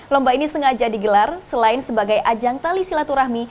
lomba ini sengaja digelar selain sebagai ajang tali silaturahmi